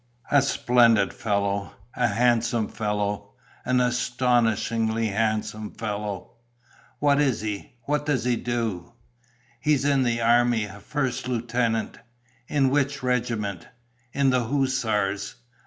"A splendid fellow! A handsome fellow! An astonishingly handsome fellow!... What is he? What does he do?" "He's in the army, a first lieutenant...." "In which regiment?" "In the hussars."